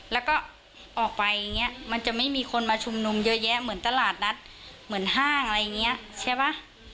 แล้วก็ออกไปอย่างนี้มันจะไม่มีคนมาชุมนุมเยอะแยะเหมือนตลาดนัดเหมือนห้างอะไรอย่างนี้ใช่ป่ะ